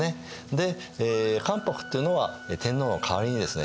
で関白っていうのは天皇の代わりにですね